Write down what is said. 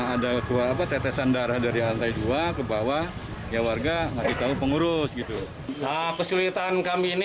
ada dua tetesan darah dari lantai dua kebawah ya warga masih tahu pengurus gitu kesulitan kami